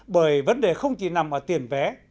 bởi vấn đề không chỉ nằm ở tiền vé